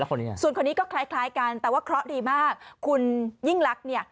คนนี้ไงส่วนคนนี้ก็คล้ายคล้ายกันแต่ว่าเคราะห์ดีมากคุณยิ่งลักษณ์เนี่ย